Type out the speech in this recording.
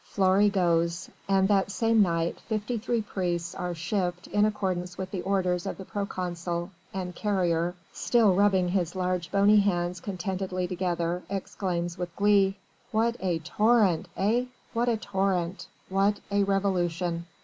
Fleury goes. And that same night fifty three priests are "shipped" in accordance with the orders of the proconsul, and Carrier, still rubbing his large bony hands contentedly together, exclaims with glee: "What a torrent, eh! What a torrent! What a revolution!"